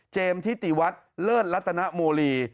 เจมส์ทิติวัตรเลิศรัตนโมลี